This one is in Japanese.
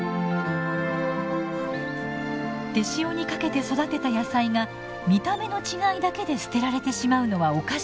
手塩にかけて育てた野菜が見た目の違いだけで捨てられてしまうのはおかしい。